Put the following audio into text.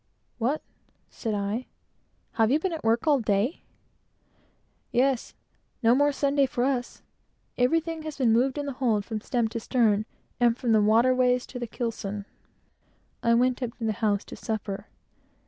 "What," said I, "have you been at work all day?" "Yes! no more Sunday for us. Everything has been moved in the hold, from stem to stern, and from the waterways to the keelson." I went up to the house to supper.